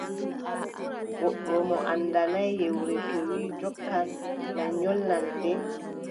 Goɗɗo mo anndanaay yewre, to wii jokkan, na nyolnan nde.